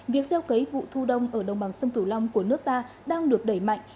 việc gieo cấy vụ thu đông ở đồng bằng sông cửu long của nước ta đang được đẩy mạnh